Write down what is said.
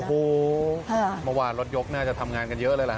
โอ้โหมาว่ารถยกน่าจะทำงานกันเยอะเลยหรือฮะ